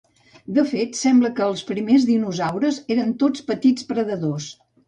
De fet, sembla que els primers dinosaures eren tots petits predadors.